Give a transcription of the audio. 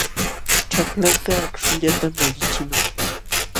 Chaklanka akśhullatam malliqchiman.